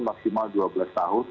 maksimal dua belas tahun